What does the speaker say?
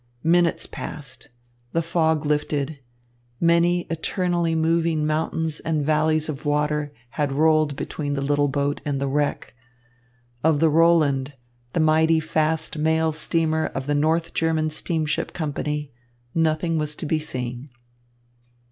Minutes passed. The fog lifted. Many eternally moving mountains and valleys of water had rolled between the little boat and the wreck. Of the Roland, the mighty fast mail steamer of the North German Steamship Company, nothing was to be seen.